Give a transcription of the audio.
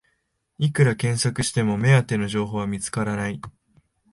いくら検索しても目当ての情報は見つからない